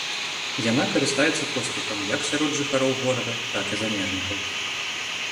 Яна карыстаецца поспехам як сярод жыхароў горада, так і замежнікаў.